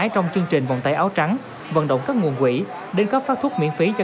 trong chương trình vòng tay áo trắng vận động các nguồn quỹ đến cấp phát thuốc miễn phí cho